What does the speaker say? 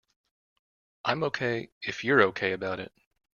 I'm OK if you're OK about it.